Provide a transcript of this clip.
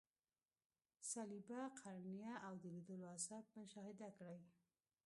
صلبیه، قرنیه او د لیدلو عصب مشاهده کړئ.